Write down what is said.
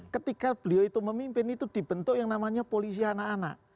ketika beliau itu memimpin itu dibentuk yang namanya polisi anak anak